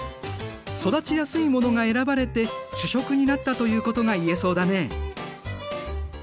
育ちやすいものが選ばれて主食になったということが言えそうだね。